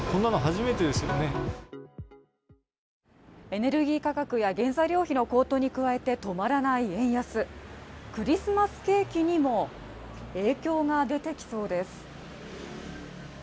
エネルギー価格や、原材料費の高騰に加えて止まらない円安、クリスマスケーキにも影響が出てきそうです。